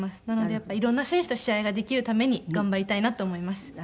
なのでやっぱり色んな選手と試合ができるために頑張りたいなと思います。